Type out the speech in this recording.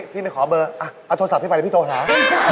พี่มาขอเบอร์เอาโทรศัพท์ให้ไปแล้วพี่โทรหา